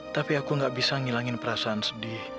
tapi aku gak bisa ngilangin perasaan sedih